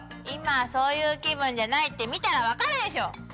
今はそういう気分じゃないって見たら分かるでしょ！